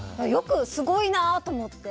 すごいなと思って。